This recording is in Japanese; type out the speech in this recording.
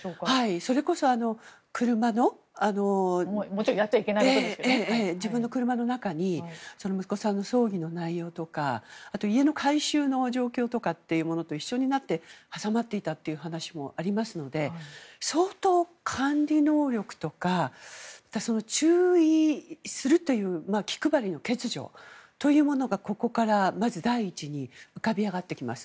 それこそ、自分の車の中に息子さんの葬儀の内容とか家の改修の状況とかと一緒になって挟まっていたという話もありますので相当、管理能力とか注意するという気配りの欠如というものがここからまず第一に浮かび上がってきます。